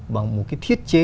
bằng một cái thiết chế